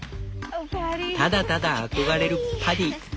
ただただ憧れるパディ。